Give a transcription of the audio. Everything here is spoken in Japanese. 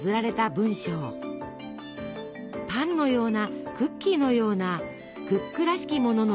パンのようなクッキーのようなクックらしきもののレシピもありました。